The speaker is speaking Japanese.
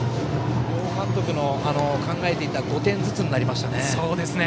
両監督が考えていた５点ずつになりましたね。